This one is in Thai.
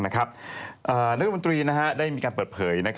รัฐมนตรีได้มีการเปิดเผย